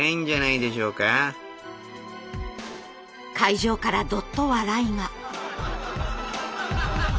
会場からどっと笑いが。